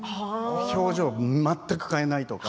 表情を全く変えないとか